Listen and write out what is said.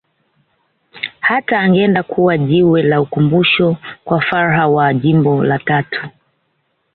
Hata angeenda kuweka jiwe la ukumbusho kwa Fuhrer wa Jimbo la Tatu